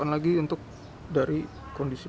kalau untuk niatnya ada tapi nabung dulu